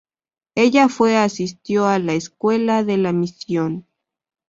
Ella fue asistió a la escuela de la misión.